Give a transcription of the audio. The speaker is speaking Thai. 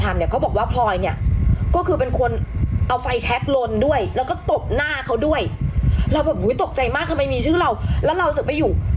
มากมายมีชื่อเราแล้วเราสืบไปอยู่